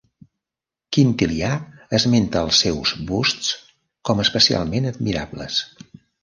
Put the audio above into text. Quintilià esmenta els seus busts com especialment admirables.